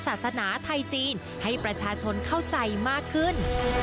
ศาสนาไทยจีนให้ประชาชนเข้าใจมากขึ้น